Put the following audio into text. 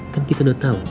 kan kita udah tau